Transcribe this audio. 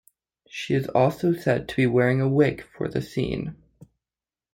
She is also said to be wearing a wig for the scene.